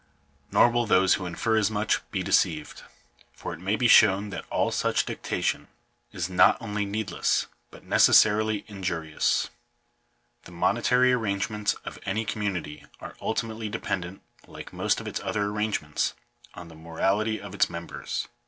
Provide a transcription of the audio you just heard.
Nor will those who infer as much be deceived ; for it may be shown that all such dictation is not only needless, but necessarily injurious. The monetary arrangements of any community are ulti mately dependent, like most of its other arrangements, on the morality of its members.